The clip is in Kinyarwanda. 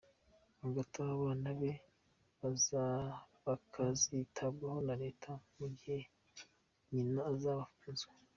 Hagati aho abana be bakazitabwaho na Leta mu gihe nyina azaba afunzwe.